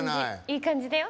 いい感じだよ。